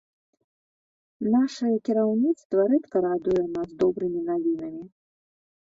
Нашае кіраўніцтва рэдка радуе нас добрымі навінамі.